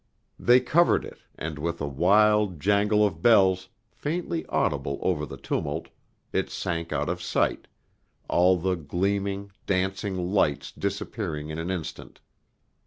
They covered it, and with a wild jangle of bells, faintly audible over the tumult, it sank out of sight, all the gleaming, dancing lights disappearing in an instant.